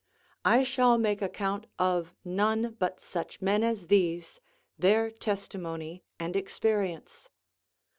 I shall make account of none but such men as these, their testimony and experience.